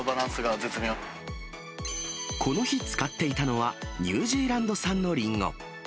この日使っていたのは、ニュージーランド産のリンゴ。